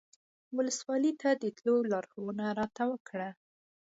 ولسوالۍ ته د تللو لارښوونه راته وکړه.